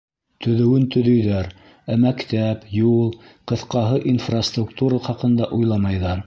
Төҙөүен төҙөйҙәр, ә мәктәп, юл, ҡыҫҡаһы, инфраструктура хаҡында уйламайҙар.